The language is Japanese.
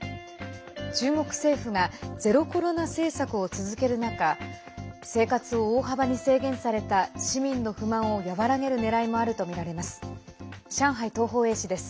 中国政府がゼロコロナ政策を続ける中生活を大幅に制限された市民の不満を和らげるねらいもあるとみられます。